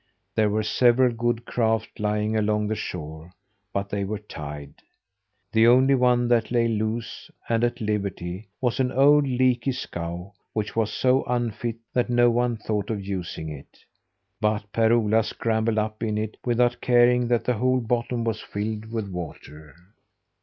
There were several good craft lying along the shore, but they were tied. The only one that lay loose, and at liberty, was an old leaky scow which was so unfit that no one thought of using it. But Per Ola scrambled up in it without caring that the whole bottom was filled with water.